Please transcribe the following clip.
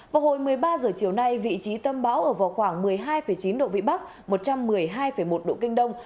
vào hồi một mươi ba h chiều nay vị trí tâm bão ở vào khoảng một mươi hai chín độ vĩ bắc một trăm một mươi hai một độ kinh đông